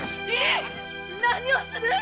何をする！